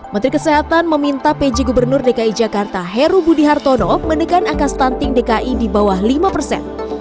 menteri kesehatan meminta pj gubernur dki jakarta heru budi hartono menekan angka stunting dki di bawah lima persen